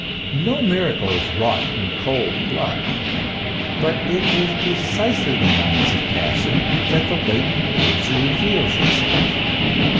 No miracle is wrought in cold blood. But it is precisely in moments of passion that the latent nature reveals itself.